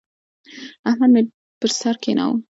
احمد مې پر سر کېناوو.